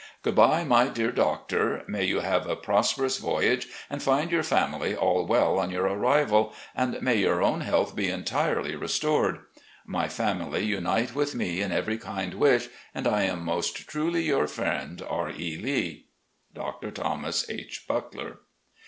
Good bye, my dear doctor; may you have a prosperous voyage and fed your family all well on your arrival, and may your own health be entirely restored. My family unite with me in every kind wish, and I am most truly, "Your friend, "R. E. Lee. "Dr. Thomas H. Buckler."